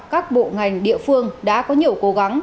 các bộ ngành địa phương đã có nhiều cố gắng